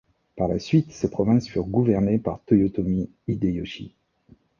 Par la suite, ces provinces furent gouvernées par Toyotomi Hideyoshi.